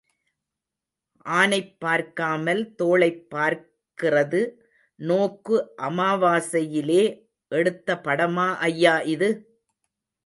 ஆனைப் பார்க்காமல், தோளைப் பார்க்கிறது நோக்கு அமாவாசையிலே எடுத்த படமா ஐயா இது?